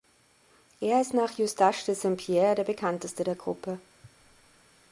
Er ist nach Eustache de Saint Pierre der bekannteste der Gruppe.